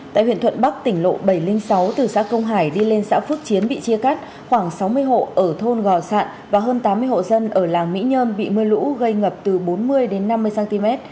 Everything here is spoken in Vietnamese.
tại huyện thuận bắc tỉnh lộ bảy trăm linh sáu từ xã công hải đi lên xã phước chiến bị chia cắt khoảng sáu mươi hộ ở thôn gò sạn và hơn tám mươi hộ dân ở làng mỹ nhơn bị mưa lũ gây ngập từ bốn mươi đến năm mươi cm